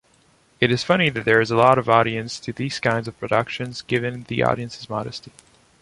It is funny that there is a lot of audience to these kinds of productions, given the audience’s modesty.